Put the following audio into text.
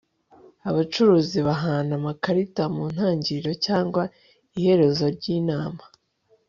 abacuruzi bahana amakarita mu ntangiriro cyangwa iherezo ryinama